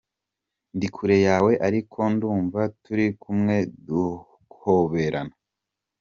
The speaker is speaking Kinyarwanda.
Ndi kure yawe ariko ndumva turi kumwe duhoberana.